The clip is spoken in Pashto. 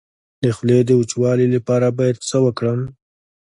د خولې د وچوالي لپاره باید څه وکړم؟